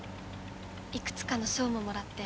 いくつかの賞ももらって。